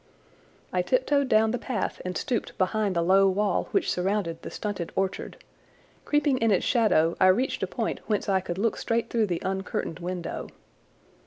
I tiptoed down the path and stooped behind the low wall which surrounded the stunted orchard. Creeping in its shadow I reached a point whence I could look straight through the uncurtained window.